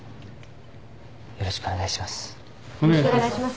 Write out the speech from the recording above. よろしくお願いします。